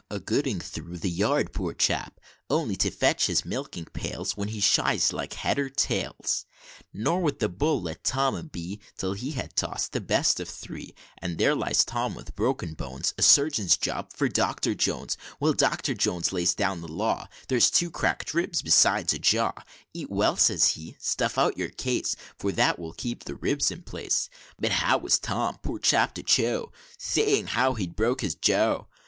A gooing through the yard, poor chap, Only to fetch his milking pails, When up he shies like head or tails; Nor would the Bull let Tom a be, Till he had toss'd the best o' three; And there lies Tom with broken bones, A surgeon's job for Doctor Jones; Well, Doctor Jones lays down the law, 'There's two crackt ribs, besides a jaw, Eat well,' says he, 'stuff out your case, For that will keep the ribs in place;' But how was Tom, poor chap, to chaw, Seeing as how he'd broke his jaw?